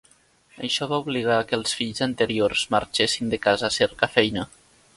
Això va obligar que els fills anteriors marxessin de casa a cercar feina.